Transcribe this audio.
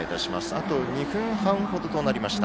あと２分半ほどとなりました。